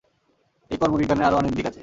এই কর্ম-বিজ্ঞানের আরও অনেক দিক আছে।